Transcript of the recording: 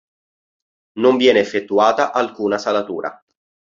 Non viene effettuata alcuna salatura.